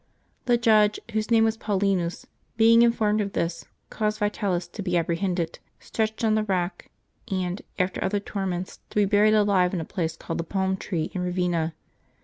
The judge, whose name was Paulinus, being informed of this, caused Vitalis to be apprehended, stretched on the rack, and, after other tor ments, to be buried alive in a place called the Palm tree, in Eavenna.